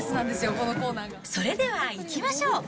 それではいきましょう。